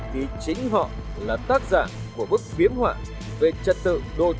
thì chính họ là tác giả của bức phiếm họa về trật tượng đô thị này